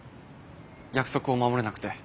約束を守れなくて。